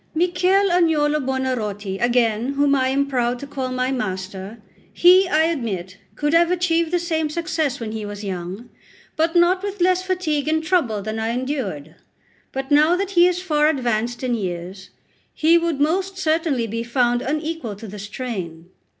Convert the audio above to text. Michel Agnolo Buonarroti, again, whom I am proud to call my master; he, I admit, could have achieved the same success when he was young, but not with less fatigue and trouble than I endured. But now that he is far advanced in years, he would most certainly be found unequal to the strain.